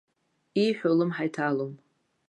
Ииҳәо улымҳа иҭалом.